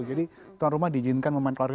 jadi tuan rumah diizinkan memainkan keluarga